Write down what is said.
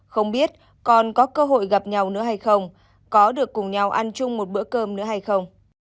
không biết còn có cơ hội gặp nhau nữa hay không có được cùng nhau ăn chung một bữa cơm nữa hay không